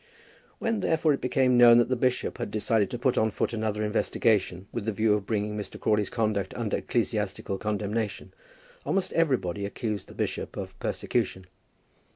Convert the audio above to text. When therefore it became known that the bishop had decided to put on foot another investigation, with the view of bringing Mr. Crawley's conduct under ecclesiastical condemnation, almost everybody accused the bishop of persecution.